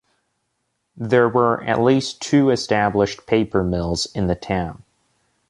There were at least two established paper-mills in the town.